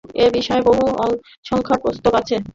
এ-বিষয়ে বহু সংখ্যক পুস্তক আছে।